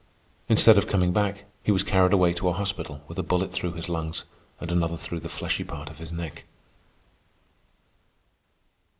Instead of coming back, he was carried away to a hospital with a bullet through his lungs and another through the fleshy part of his neck.